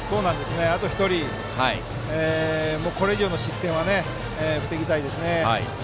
あと１人ですからこれ以上の失点は防ぎたいです。